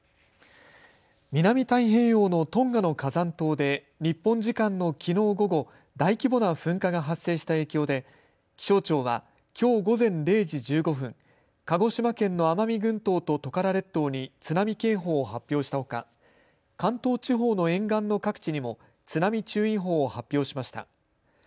南太平洋のトンガの火山島で、日本時間のきのう午後、大規模な噴火が発生した影響で、気象庁は、きょう午前０時１５分、鹿児島県の奄美群島とトカラ列島に津波警報を発表したほか、関東地方の沿岸の各地にも、津波注意報を発表しました。